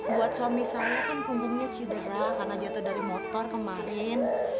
buat suami saya kan punggungnya cedera karena jatuh dari motor kemarin